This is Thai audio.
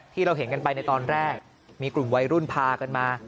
ที่เราเห็นกันไปในตอนแรกมีกลุ่มวัยรุ่นพากันมา